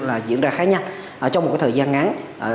là diễn ra khá nhanh trong một cái thời gian ngắn